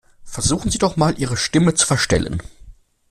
Versuchen Sie doch mal, Ihre Stimme zu verstellen.